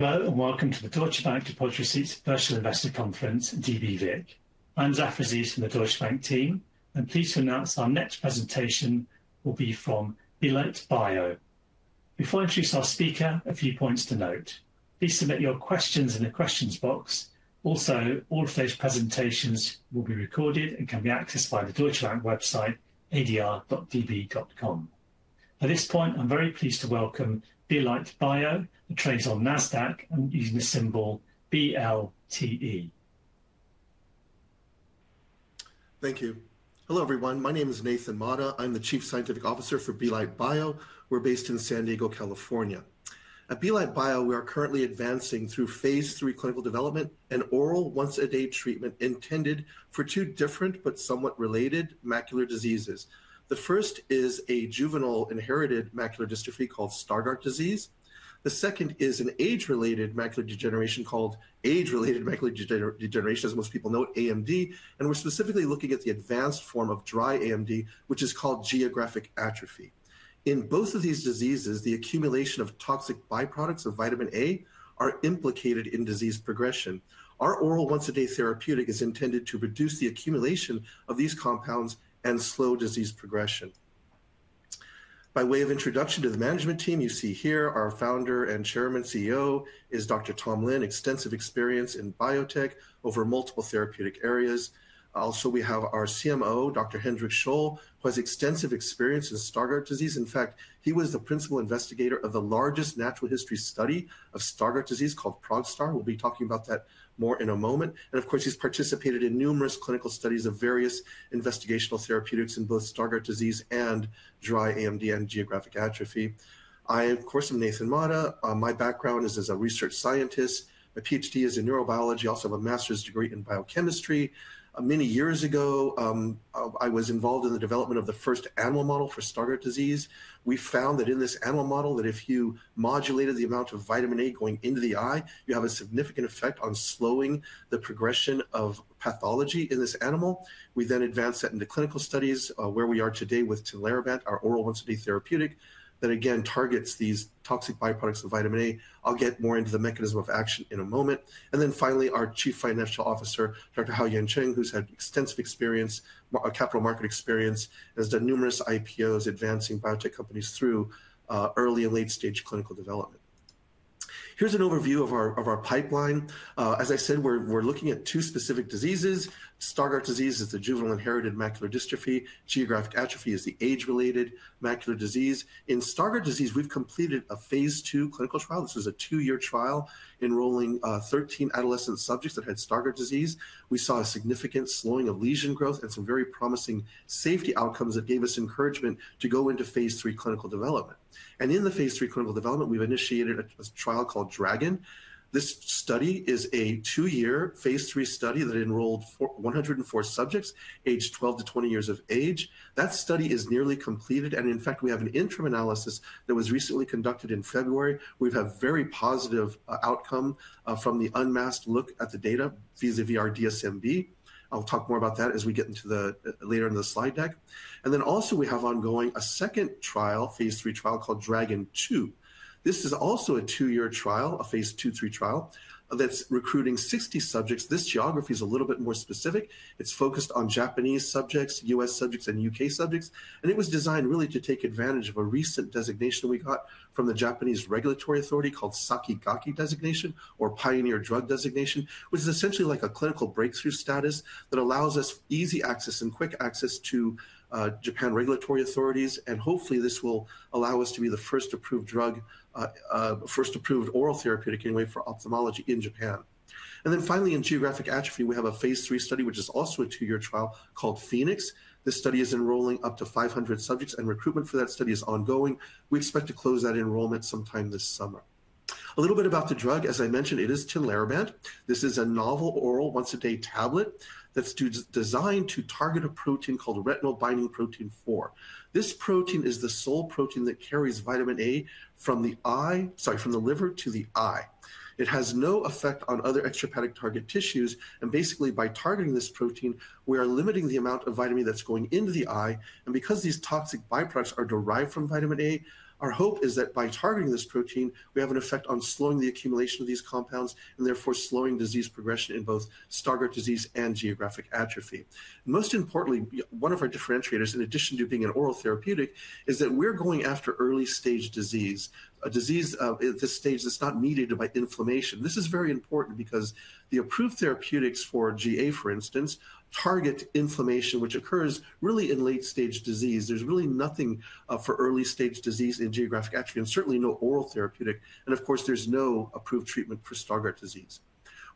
Hello and welcome to the Deutsche Bank Deposit Receipts Special Investor Conference, DBV. I'm Zaf Aziz from the Deutsche Bank team, and pleased to announce our next presentation will be from Belite Bio. Before I introduce our speaker, a few points to note. Please submit your questions in the questions box. Also, all of those presentations will be recorded and can be accessed via the Deutsche Bank website, adr.db.com. At this point, I'm very pleased to welcome Belite Bio, a trade on Nasdaq, and using the symbol BLTE. Thank you. Hello, everyone. My name is Nathan Mata. I'm the Chief Scientific Officer for Belite Bio. We're based in San Diego, California. At Belite Bio, we are currently advancing through phase three clinical development and oral once-a-day treatment intended for two different but somewhat related macular diseases. The first is a juvenile inherited macular dystrophy called Stargardt disease. The second is an age-related macular degeneration called age-related macular degeneration, as most people know, AMD. We're specifically looking at the advanced form of dry AMD, which is called geographic atrophy. In both of these diseases, the accumulation of toxic byproducts of vitamin A is implicated in disease progression. Our oral once-a-day therapeutic is intended to reduce the accumulation of these compounds and slow disease progression. By way of introduction to the management team you see here, our founder and chairman, CEO, is Dr. Tom Lin, extensive experience in biotech over multiple therapeutic areas. Also, we have our CMO, Dr. Hendrik Scholl, who has extensive experience in Stargardt disease. In fact, he was the principal investigator of the largest natural history study of Stargardt disease called ProgStar. We'll be talking about that more in a moment. Of course, he's participated in numerous clinical studies of various investigational therapeutics in both Stargardt disease and dry AMD and geographic atrophy. I, of course, am Nathan Mata. My background is as a research scientist. My PhD is in neurobiology. I also have a master's degree in biochemistry. Many years ago, I was involved in the development of the first animal model for Stargardt disease. We found that in this animal model, that if you modulated the amount of vitamin A going into the eye, you have a significant effect on slowing the progression of pathology in this animal. We then advanced that into clinical studies where we are today with Tinlarebant, our oral once-a-day therapeutic that again targets these toxic byproducts of vitamin A. I'll get more into the mechanism of action in a moment. Finally, our Chief Financial Officer, Dr. Hao-Yuan Cheng, who's had extensive experience, capital market experience, has done numerous IPOs, advancing biotech companies through early and late-stage clinical development. Here's an overview of our pipeline. As I said, we're looking at two specific diseases. Stargardt disease is the juvenile inherited macular dystrophy. Geographic atrophy is the age-related macular disease. In Stargardt disease, we've completed a phase two clinical trial. This was a two-year trial enrolling 13 adolescent subjects that had Stargardt disease. We saw a significant slowing of lesion growth and some very promising safety outcomes that gave us encouragement to go into phase three clinical development. In the phase three clinical development, we've initiated a trial called Dragon. This study is a two-year phase three study that enrolled 104 subjects, aged 12 to 20 years of age. That study is nearly completed. In fact, we have an interim analysis that was recently conducted in February. We've had a very positive outcome from the unmasked look at the data vis-à-vis our DSM-B. I'll talk more about that as we get into the later in the slide deck. We also have ongoing a second trial, phase III trial called Dragon Two. This is also a two-year trial, a phase II three trial that's recruiting 60 subjects. This geography is a little bit more specific. It is focused on Japanese subjects, U.S. subjects, and U.K. subjects. It was designed really to take advantage of a recent designation we got from the Japanese regulatory authority called SAKIGAKE designation or Pioneer Drug designation, which is essentially like a clinical breakthrough status that allows us easy access and quick access to Japan regulatory authorities. Hopefully this will allow us to be the first approved drug, first approved oral therapeutic anyway for ophthalmology in Japan. Finally, in geographic atrophy, we have a phase three study, which is also a two-year trial called Phoenix. This study is enrolling up to 500 subjects and recruitment for that study is ongoing. We expect to close that enrollment sometime this summer. A little bit about the drug, as I mentioned, it is Tinlarebant. This is a novel oral once-a-day tablet that's designed to target a protein called retinal binding protein 4. This protein is the sole protein that carries vitamin A from the liver to the eye. It has no effect on other extrahepatic target tissues. Basically, by targeting this protein, we are limiting the amount of vitamin A that's going into the eye. Because these toxic byproducts are derived from vitamin A, our hope is that by targeting this protein, we have an effect on slowing the accumulation of these compounds and therefore slowing disease progression in both Stargardt disease and geographic atrophy. Most importantly, one of our differentiators, in addition to being an oral therapeutic, is that we're going after early stage disease, a disease at this stage that's not mediated by inflammation. This is very important because the approved therapeutics for GA, for instance, target inflammation, which occurs really in late-stage disease. There's really nothing for early stage disease in geographic atrophy and certainly no oral therapeutic. Of course, there's no approved treatment for Stargardt disease.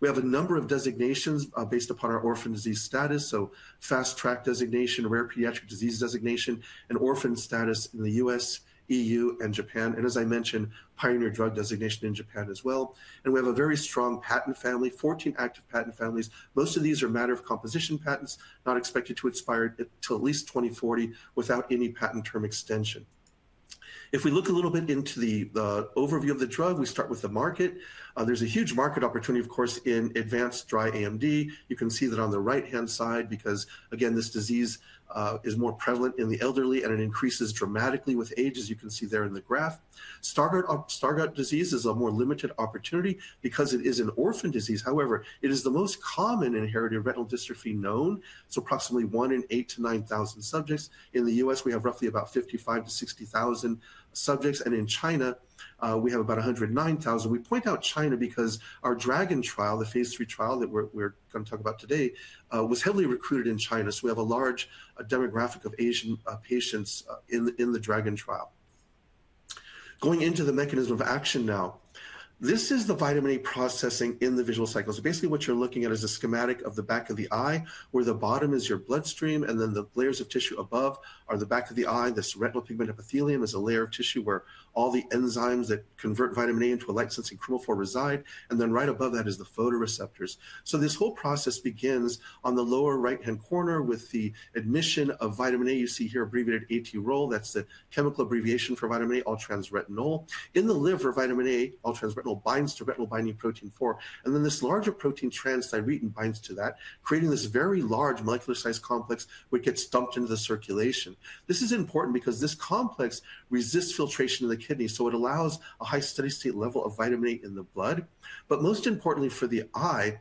We have a number of designations based upon our orphan disease status. Fast track designation, rare pediatric disease designation, and orphan status in the U.S., EU, and Japan. As I mentioned, pioneer drug designation in Japan as well. We have a very strong patent family, 14 active patent families. Most of these are matter of composition patents, not expected to expire until at least 2040 without any patent term extension. If we look a little bit into the overview of the drug, we start with the market. There's a huge market opportunity, of course, in advanced dry AMD. You can see that on the right-hand side because again, this disease is more prevalent in the elderly and it increases dramatically with age, as you can see there in the graph. Stargardt disease is a more limited opportunity because it is an orphan disease. However, it is the most common inherited retinal dystrophy known. It's approximately one in eight to 9,000 subjects. In the U.S., we have roughly about 55,000 to 60,000 subjects. And in China, we have about 109,000. We point out China because our Dragon trial, the phase III trial that we're going to talk about today, was heavily recruited in China. We have a large demographic of Asian patients in the Dragon trial. Going into the mechanism of action now, this is the vitamin A processing in the visual cycle. Basically what you're looking at is a schematic of the back of the eye where the bottom is your bloodstream and then the layers of tissue above are the back of the eye. This retinal pigment epithelium is a layer of tissue where all the enzymes that convert vitamin A into a light-sensing chemophore reside. Right above that is the photoreceptors. This whole process begins on the lower right-hand corner with the admission of vitamin A. You see here abbreviated AT-roll. That's the chemical abbreviation for vitamin A, all-trans-retinol. In the liver, vitamin A, all-trans-retinol, binds to retinal binding protein 4. This larger protein, transthyretin, binds to that, creating this very large molecular size complex, which gets dumped into the circulation. This is important because this complex resists filtration in the kidney. It allows a high steady state level of vitamin A in the blood. Most importantly for the eye,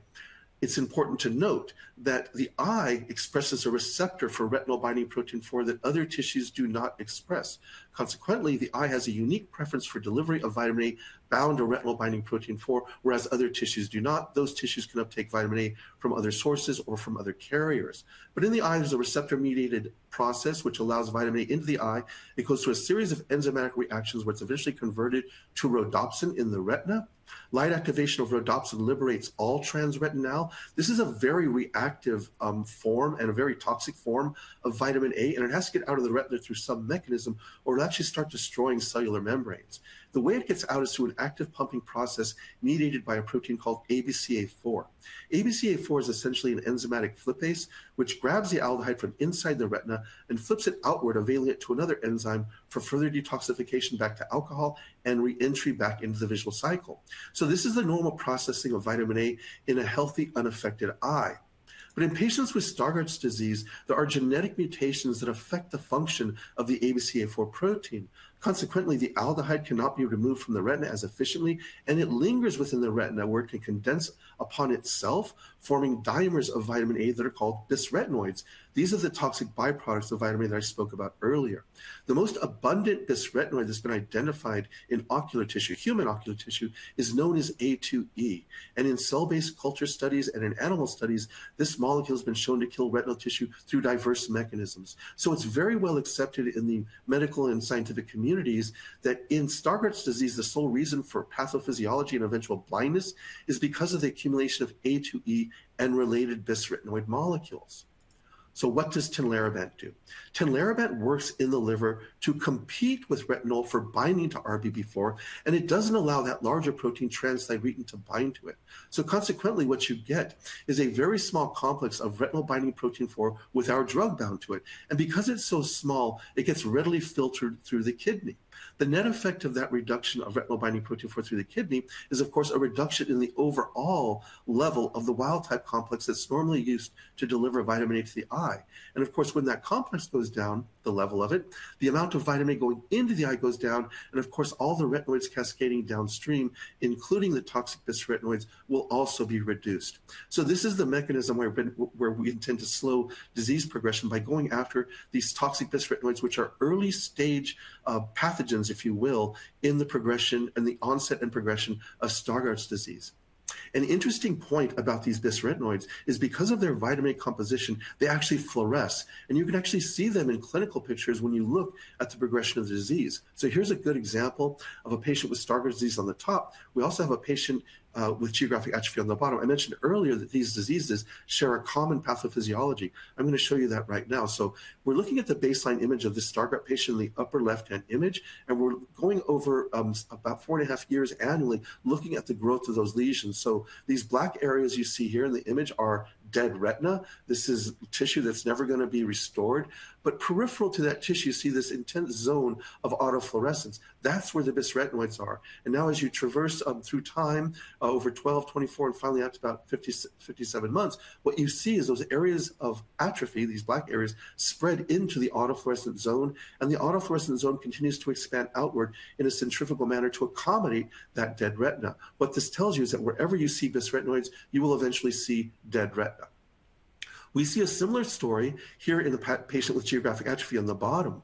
it's important to note that the eye expresses a receptor for retinal binding protein 4 that other tissues do not express. Consequently, the eye has a unique preference for delivery of vitamin A bound to retinal binding protein 4, whereas other tissues do not. Those tissues can uptake vitamin A from other sources or from other carriers. In the eye, there's a receptor-mediated process which allows vitamin A into the eye. It goes through a series of enzymatic reactions where it's eventually converted to rhodopsin in the retina. Light activation of rhodopsin liberates all-trans-retinal. This is a very reactive form and a very toxic form of vitamin A. It has to get out of the retina through some mechanism or it'll actually start destroying cellular membranes. The way it gets out is through an active pumping process mediated by a protein called ABCA4. ABCA4 is essentially an enzymatic flip base, which grabs the aldehyde from inside the retina and flips it outward, availing it to another enzyme for further detoxification back to alcohol and re-entry back into the visual cycle. This is the normal processing of vitamin A in a healthy, unaffected eye. In patients with Stargardt disease, there are genetic mutations that affect the function of the ABCA4 protein. Consequently, the aldehyde cannot be removed from the retina as efficiently. It lingers within the retina where it can condense upon itself, forming diamonds of vitamin A that are called dysretinoids. These are the toxic byproducts of vitamin A that I spoke about earlier. The most abundant dysretinoid that has been identified in ocular tissue, human ocular tissue, is known as A2E. In cell-based culture studies and in animal studies, this molecule has been shown to kill retinol tissue through diverse mechanisms. It is very well accepted in the medical and scientific communities that in Stargardt disease, the sole reason for pathophysiology and eventual blindness is because of the accumulation of A2E and related dysretinoid molecules. What does Tinlarebant do? Tinlarebant works in the liver to compete with retinol for binding to RBP4. It does not allow that larger protein transthyretin to bind to it. Consequently, what you get is a very small complex of retinol binding protein 4 with our drug bound to it. Because it is so small, it gets readily filtered through the kidney. The net effect of that reduction of retinal binding protein 4 through the kidney is, of course, a reduction in the overall level of the wild-type complex that's normally used to deliver vitamin A to the eye. Of course, when that complex goes down, the level of it, the amount of vitamin A going into the eye goes down. All the retinoids cascading downstream, including the toxic dysretinoids, will also be reduced. This is the mechanism where we intend to slow disease progression by going after these toxic dysretinoids, which are early stage pathogens, if you will, in the progression and the onset and progression of Stargardt disease. An interesting point about these dysretinoids is because of their vitamin A composition, they actually fluoresce. You can actually see them in clinical pictures when you look at the progression of the disease. Here's a good example of a patient with Stargardt disease on the top. We also have a patient with geographic atrophy on the bottom. I mentioned earlier that these diseases share a common pathophysiology. I'm going to show you that right now. We're looking at the baseline image of this Stargardt patient in the upper left-hand image. We're going over about four and a half years annually, looking at the growth of those lesions. These black areas you see here in the image are dead retina. This is tissue that's never going to be restored. Peripheral to that tissue, you see this intense zone of autofluorescence. That's where the dysretinoids are. As you traverse through time over 12, 24, and finally out to about 57 months, what you see is those areas of atrophy, these black areas, spread into the autofluorescent zone. The autofluorescent zone continues to expand outward in a centrifugal manner to accommodate that dead retina. What this tells you is that wherever you see dysretinoids, you will eventually see dead retina. We see a similar story here in the patient with geographic atrophy on the bottom.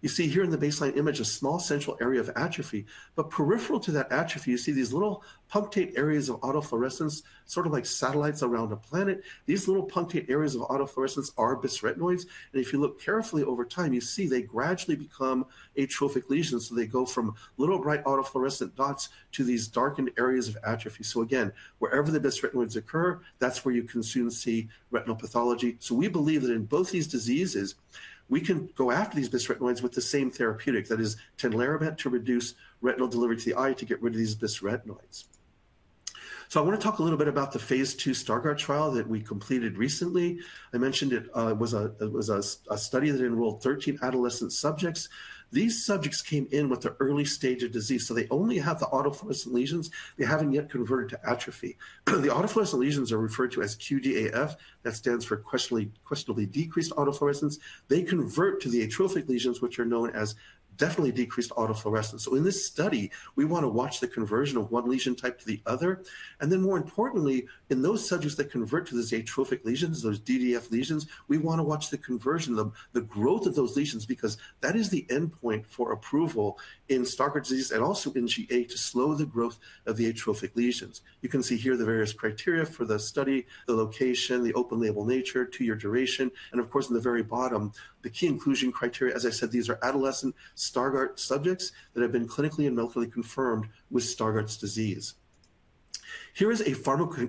You see here in the baseline image, a small central area of atrophy. Peripheral to that atrophy, you see these little punctate areas of autofluorescence, sort of like satellites around a planet. These little punctate areas of autofluorescence are dysretinoids. If you look carefully over time, you see they gradually become atrophic lesions. They go from little bright autofluorescent dots to these darkened areas of atrophy. Again, wherever the dysretinoids occur, that's where you can see retinal pathology. We believe that in both these diseases, we can go after these dysretinoids with the same therapeutic that is Tinlarebant to reduce retinal delivery to the eye to get rid of these dysretinoids. I want to talk a little bit about the phase two Stargardt trial that we completed recently. I mentioned it was a study that enrolled 13 adolescent subjects. These subjects came in with the early stage of disease. They only have the autofluorescent lesions. They have not yet converted to atrophy. The autofluorescent lesions are referred to as QDAF. That stands for questionably decreased autofluorescence. They convert to the atrophic lesions, which are known as definitely decreased autofluorescence. In this study, we want to watch the conversion of one lesion type to the other. More importantly, in those subjects that convert to these atrophic lesions, those DDAF lesions, we want to watch the conversion, the growth of those lesions, because that is the endpoint for approval in Stargardt disease and also in GA to slow the growth of the atrophic lesions. You can see here the various criteria for the study, the location, the open label nature, two-year duration. Of course, in the very bottom, the key inclusion criteria. As I said, these are adolescent Stargardt subjects that have been clinically and medically confirmed with Stargardt disease. Here is a pharmacokinetic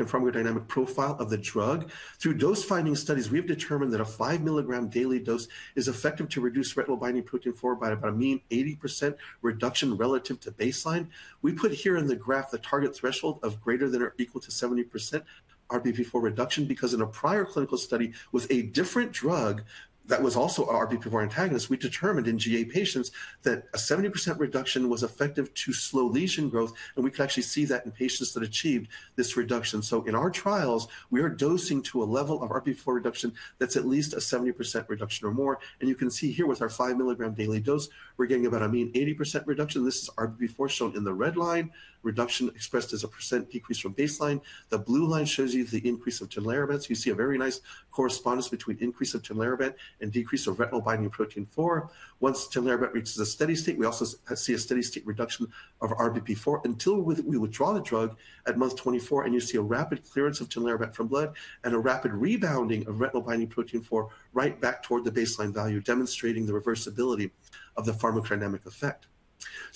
and pharmacodynamic profile of the drug. Through dose finding studies, we have determined that a 5 milligram daily dose is effective to reduce retinal binding protein 4 by about a mean 80% reduction relative to baseline. We put here in the graph the target threshold of greater than or equal to 70% RBP4 reduction because in a prior clinical study with a different drug that was also an RBP4 antagonist, we determined in GA patients that a 70% reduction was effective to slow lesion growth. We could actually see that in patients that achieved this reduction. In our trials, we are dosing to a level of RBP4 reduction that's at least a 70% reduction or more. You can see here with our 5 mg daily dose, we're getting about a mean 80% reduction. This is RBP4 shown in the red line, reduction expressed as a percent decrease from baseline. The blue line shows you the increase of Tinlarebant. You see a very nice correspondence between increase of Tinlarebant and decrease of retinal binding protein 4. Once Tinlarebant reaches a steady state, we also see a steady state reduction of RBP4 until we withdraw the drug at month 24. You see a rapid clearance of Tinlarebant from blood and a rapid rebounding of retinal binding protein 4 right back toward the baseline value, demonstrating the reversibility of the pharmacodynamic effect.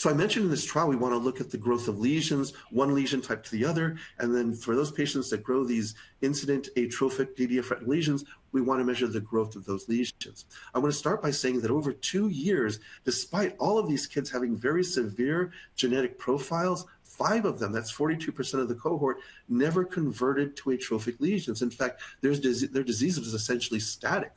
I mentioned in this trial, we want to look at the growth of lesions, one lesion type to the other. For those patients that grow these incident atrophic DDAF lesions, we want to measure the growth of those lesions. I want to start by saying that over two years, despite all of these kids having very severe genetic profiles, five of them, that's 42% of the cohort, never converted to atrophic lesions. In fact, their disease was essentially static.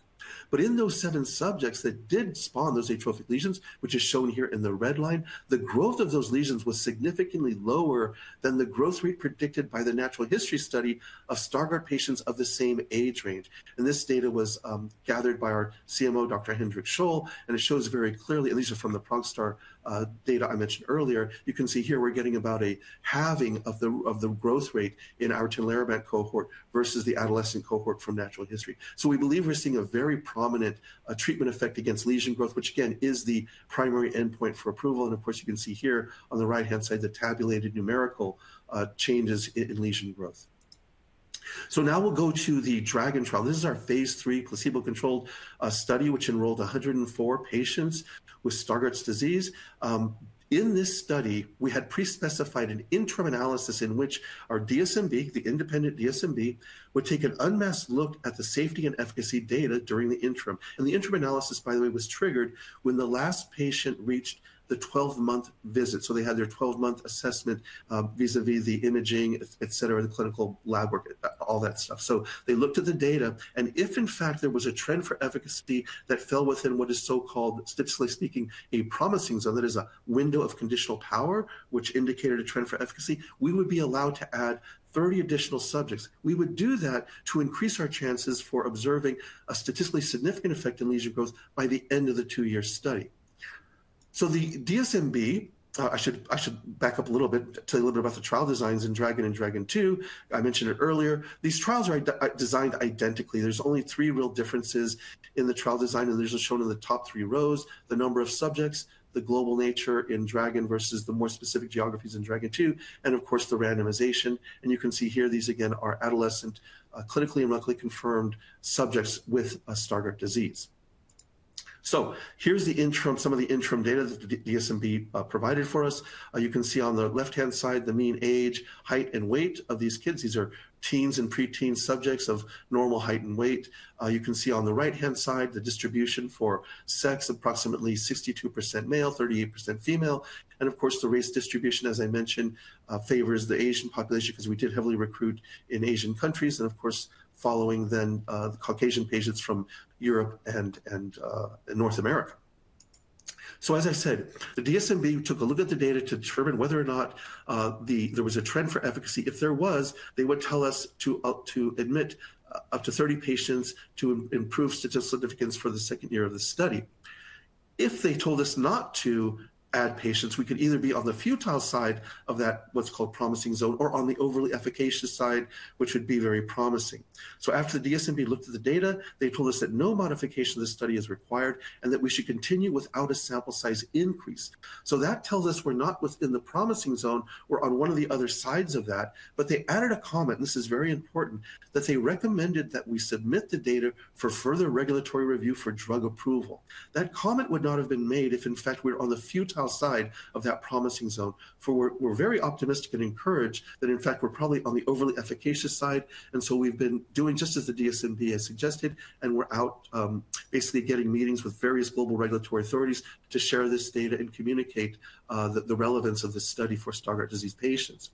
In those seven subjects that did spawn those atrophic lesions, which is shown here in the red line, the growth of those lesions was significantly lower than the growth rate predicted by the natural history study of Stargardt patients of the same age range. This data was gathered by our CMO, Dr. Hendrik Scholl. It shows very clearly, and these are from the ProgStar data I mentioned earlier. You can see here we're getting about a halving of the growth rate in our Tinlarebant cohort versus the adolescent cohort from natural history. We believe we're seeing a very prominent treatment effect against lesion growth, which again is the primary endpoint for approval. You can see here on the right-hand side, the tabulated numerical changes in lesion growth. Now we'll go to the Dragon trial. This is our phase three placebo-controlled study, which enrolled 104 patients with Stargardt disease. In this study, we had pre-specified an interim analysis in which our DSMB, the independent DSMB, would take an unmasked look at the safety and efficacy data during the interim. The interim analysis, by the way, was triggered when the last patient reached the 12-month visit. They had their 12-month assessment vis-à-vis the imaging, et cetera, the clinical lab work, all that stuff. They looked at the data. If in fact there was a trend for efficacy that fell within what is so-called, statistically speaking, a promising zone, that is a window of conditional power, which indicated a trend for efficacy, we would be allowed to add 30 additional subjects. We would do that to increase our chances for observing a statistically significant effect in lesion growth by the end of the two-year study. The DSMB, I should back up a little bit, tell you a little bit about the trial designs in Dragon and Dragon 2. I mentioned it earlier. These trials are designed identically. There are only three real differences in the trial design. These are shown in the top three rows: the number of subjects, the global nature in Dragon versus the more specific geographies in Dragon 2, and of course, the randomization. You can see here, these again are adolescent, clinically and medically confirmed subjects with Stargardt disease. Here is the interim, some of the interim data that the DSMB provided for us. You can see on the left-hand side, the mean age, height, and weight of these kids. These are teens and preteen subjects of normal height and weight. You can see on the right-hand side, the distribution for sex, approximately 62% male, 38% female. Of course, the race distribution, as I mentioned, favors the Asian population because we did heavily recruit in Asian countries. Of course, following then the Caucasian patients from Europe and North America. As I said, the DSMB took a look at the data to determine whether or not there was a trend for efficacy. If there was, they would tell us to admit up to 30 patients to improve statistical significance for the second year of the study. If they told us not to add patients, we could either be on the futile side of that what's called promising zone or on the overly efficacious side, which would be very promising. After the DSMB looked at the data, they told us that no modification of the study is required and that we should continue without a sample size increase. That tells us we're not within the promising zone. We're on one of the other sides of that. They added a comment, and this is very important, that they recommended that we submit the data for further regulatory review for drug approval. That comment would not have been made if in fact we're on the futile side of that promising zone. For we're very optimistic and encouraged that in fact we're probably on the overly efficacious side. We've been doing just as the DSMB has suggested. We're out basically getting meetings with various global regulatory authorities to share this data and communicate the relevance of this study for Stargardt disease patients.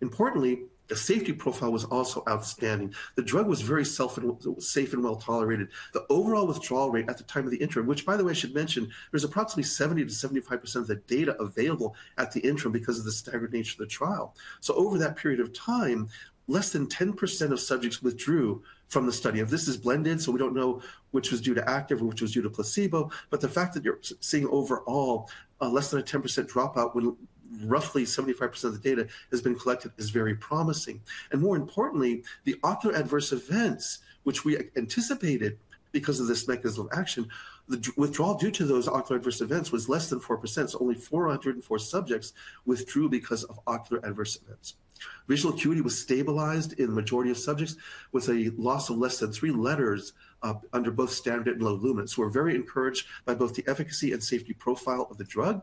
Importantly, the safety profile was also outstanding. The drug was very safe and well tolerated. The overall withdrawal rate at the time of the interim, which by the way, I should mention, there's approximately 70%-75% of the data available at the interim because of the staggered nature of the trial. Over that period of time, less than 10% of subjects withdrew from the study. This is blended. We don't know which was due to active or which was due to placebo. The fact that you're seeing overall less than a 10% dropout when roughly 75% of the data has been collected is very promising. More importantly, the ocular adverse events, which we anticipated because of this mechanism of action, the withdrawal due to those ocular adverse events was less than 4%. Only four subjects withdrew because of ocular adverse events. Visual acuity was stabilized in the majority of subjects with a loss of less than three letters under both standard and low lumen. We are very encouraged by both the efficacy and safety profile of the drug.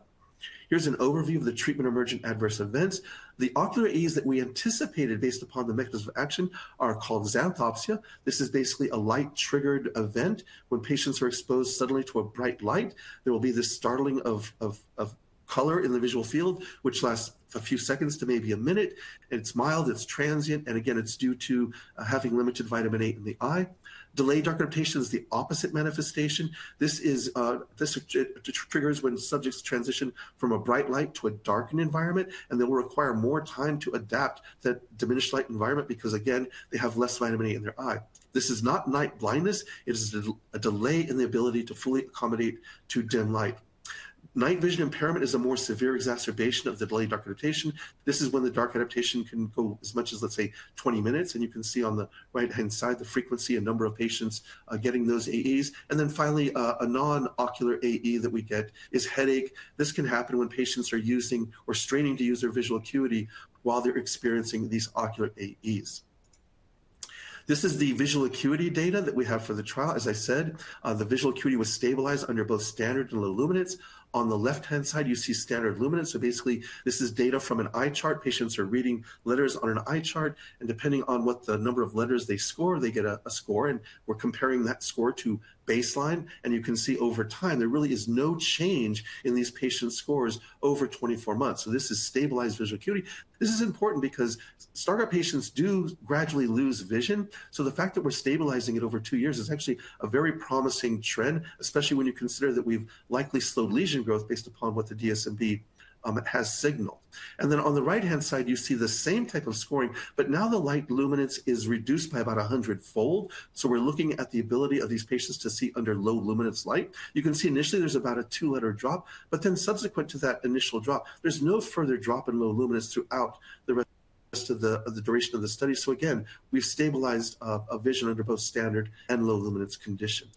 Here is an overview of the treatment emergent adverse events. The ocular aids that we anticipated based upon the mechanism of action are called xanthopsia. This is basically a light-triggered event. When patients are exposed suddenly to a bright light, there will be this startling of color in the visual field, which lasts a few seconds to maybe a minute. It is mild. It is transient. It is due to having limited vitamin A in the eye. Delayed dark adaptation is the opposite manifestation. This triggers when subjects transition from a bright light to a darkened environment. They will require more time to adapt to that diminished light environment because again, they have less vitamin A in their eye. This is not night blindness. It is a delay in the ability to fully accommodate to dim light. Night vision impairment is a more severe exacerbation of delayed dark adaptation. This is when the dark adaptation can go as much as, let's say, 20 minutes. You can see on the right-hand side the frequency and number of patients getting those AEs. Finally, a non-ocular AE that we get is headache. This can happen when patients are using or straining to use their visual acuity while they're experiencing these ocular AEs. This is the visual acuity data that we have for the trial. As I said, the visual acuity was stabilized under both standard and low luminance. On the left-hand side, you see standard luminance. Basically, this is data from an eye chart. Patients are reading letters on an eye chart. And depending on what the number of letters they score, they get a score. We're comparing that score to baseline. You can see over time, there really is no change in these patients' scores over 24 months. This is stabilized visual acuity. This is important because Stargardt patients do gradually lose vision. The fact that we're stabilizing it over two years is actually a very promising trend, especially when you consider that we've likely slowed lesion growth based upon what the DSMB has signaled. On the right-hand side, you see the same type of scoring, but now the light luminance is reduced by about 100-fold. We're looking at the ability of these patients to see under low luminance light. You can see initially there's about a two-letter drop. But then subsequent to that initial drop, there's no further drop in low luminance throughout the rest of the duration of the study. So again, we've stabilized vision under both standard and low luminance condition.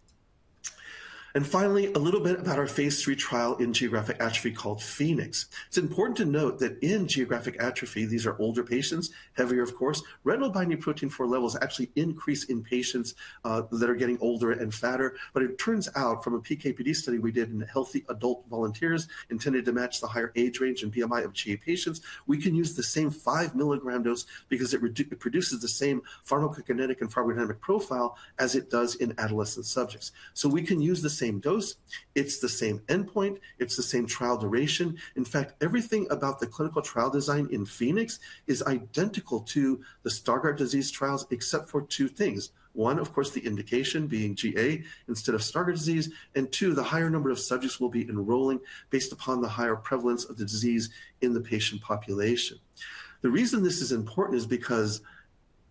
And finally, a little bit about our phase three trial in geographic atrophy called Phoenix. It's important to note that in geographic atrophy, these are older patients, heavier, of course. Retinal binding protein 4 levels actually increase in patients that are getting older and fatter. But it turns out from a PKPD study we did in healthy adult volunteers intended to match the higher age range and BMI of GA patients, we can use the same 5 milligram dose because it produces the same pharmacokinetic and pharmacodynamic profile as it does in adolescent subjects. So we can use the same dose. It's the same endpoint. It's the same trial duration. In fact, everything about the clinical trial design in Phoenix is identical to the Stargardt disease trials, except for two things. One, of course, the indication being GA instead of Stargardt disease. Two, the higher number of subjects will be enrolling based upon the higher prevalence of the disease in the patient population. The reason this is important is because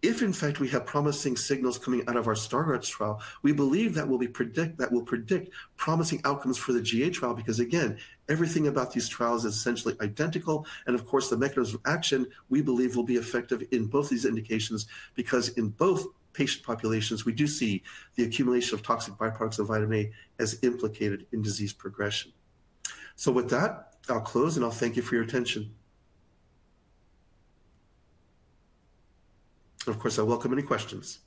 if in fact we have promising signals coming out of our Stargardt trial, we believe that will predict promising outcomes for the GA trial because again, everything about these trials is essentially identical. Of course, the mechanism of action we believe will be effective in both these indications because in both patient populations, we do see the accumulation of toxic byproducts of vitamin A as implicated in disease progression. With that, I'll close. I'll thank you for your attention. Of course, I welcome any questions.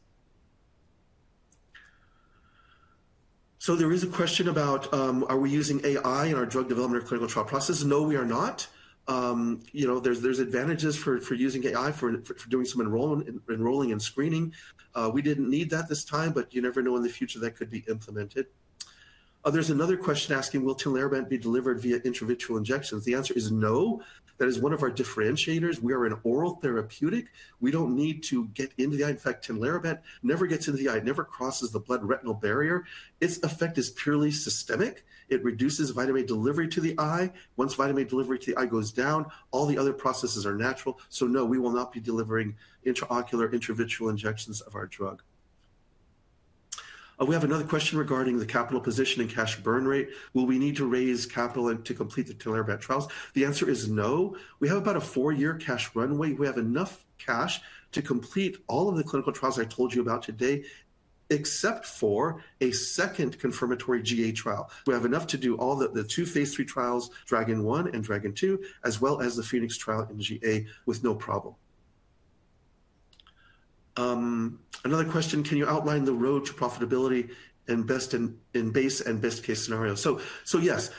There is a question about, are we using AI in our drug development or clinical trial process? No, we are not. There are advantages for using AI for doing some enrolling and screening. We did not need that this time. You never know, in the future that could be implemented. There is another question asking, will Tinlarebant be delivered via intravitreal injections? The answer is no. That is one of our differentiators. We are an oral therapeutic. We do not need to get into the eye. In fact, Tinlarebant never gets into the eye, never crosses the blood retinal barrier. Its effect is purely systemic. It reduces vitamin A delivery to the eye. Once vitamin A delivery to the eye goes down, all the other processes are natural. No, we will not be delivering intraocular intravitreal injections of our drug. We have another question regarding the capital position and cash burn rate. Will we need to raise capital to complete the Tinlarebant trials? The answer is no. We have about a four-year cash runway. We have enough cash to complete all of the clinical trials I told you about today, except for a second confirmatory GA trial. We have enough to do all the two phase III trials, Dragon 1 and Dragon 2, as well as the Phoenix trial in GA with no problem. Another question, can you outline the road to profitability in base and best-case scenario? Yes.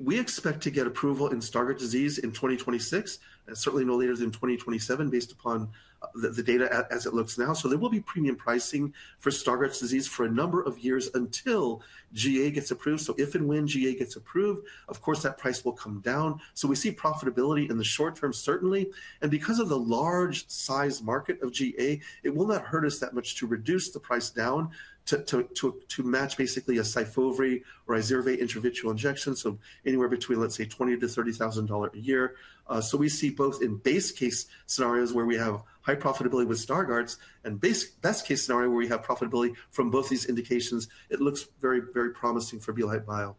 We expect to get approval in Stargardt disease in 2026 and certainly no later than 2027 based upon the data as it looks now. There will be premium pricing for Stargardt disease for a number of years until GA gets approved. If and when GA gets approved, of course, that price will come down. We see profitability in the short term, certainly. Because of the large-sized market of GA, it will not hurt us that much to reduce the price down to match basically a Sifovry or a Zirva intravitreal injection. Anywhere between, let's say, $20,000-$30,000 a year. We see both in base-case scenarios where we have high profitability with Stargardt and best-case scenario where we have profitability from both these indications, it looks very, very promising for Belite Bio.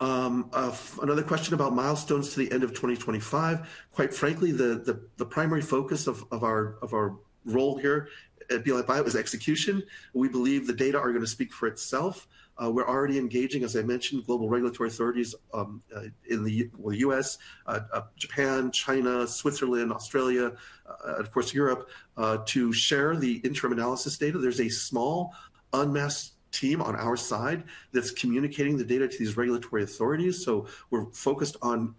Another question about milestones to the end of 2025. Quite frankly, the primary focus of our role here at Belite Bio is execution. We believe the data are going to speak for itself. We're already engaging, as I mentioned, global regulatory authorities in the U.S., Japan, China, Switzerland, Australia, and of course, Europe to share the interim analysis data. There's a small unmasked team on our side that's communicating the data to these regulatory authorities. We're focused on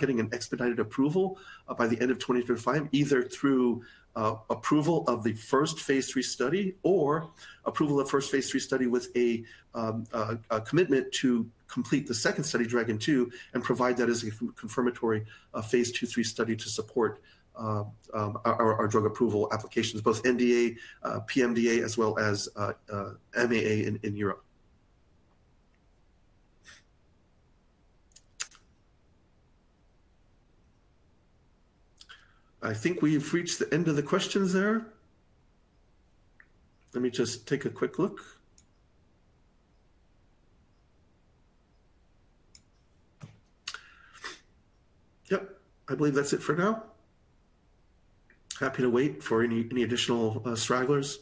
getting an expedited approval by the end of 2025, either through approval of the first phase three study or approval of first phase three study with a commitment to complete the second study, Dragon 2, and provide that as a confirmatory phase two three study to support our drug approval applications, both NDA, PMDA, as well as MAA in Europe. I think we've reached the end of the questions there. Let me just take a quick look. Yep. I believe that's it for now. Happy to wait for any additional stragglers.